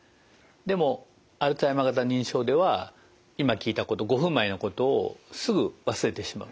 でもアルツハイマー型認知症では今聞いたこと５分前のことをすぐ忘れてしまう。